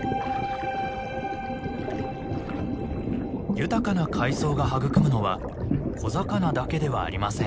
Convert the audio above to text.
豊かな海藻が育むのは小魚だけではありません。